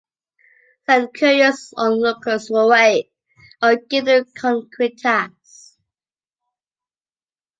Send curious onlookers away or give them a concrete task.